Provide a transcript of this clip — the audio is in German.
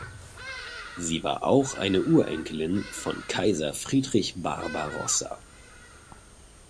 Sie war auch eine Urenkelin von Kaiser Friedrich Barbarossa.